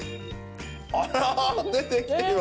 あら出てきてるわ！